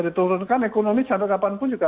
diturunkan ekonomi sampai kapanpun juga